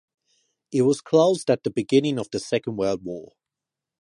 It was closed at the beginning of the Second World War.